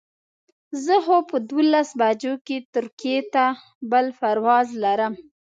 زه خو په دولس بجو ترکیې ته بل پرواز لرم.